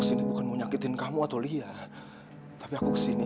saya tidak pernah kerjakan baik seperti ini